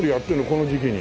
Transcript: この時期に。